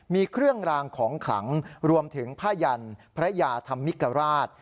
มีเครื่องรางของขลังรวมถึงผ้ายันพระยาธรรมิกราช